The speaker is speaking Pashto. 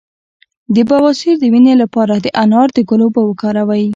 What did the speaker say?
د بواسیر د وینې لپاره د انار د ګل اوبه وکاروئ